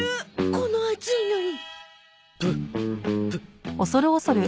この暑いのに。